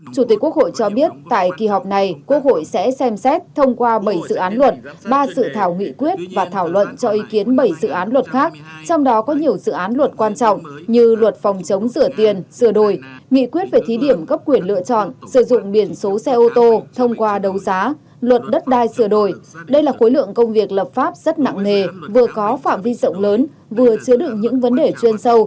chủ tịch quốc hội cho biết tại kỳ họp này quốc hội sẽ xem xét thông qua bảy dự án luật ba sự thảo nghị quyết và thảo luận cho ý kiến bảy dự án luật khác trong đó có nhiều dự án luật quan trọng như luật phòng chống sửa tiền sửa đổi nghị quyết về thí điểm gấp quyền lựa chọn sử dụng biển số xe ô tô thông qua đấu giá luật đất đai sửa đổi đây là khối lượng công việc lập pháp rất nặng mề vừa có phạm vi rộng lớn vừa chứa được những vấn đề chuyên sâu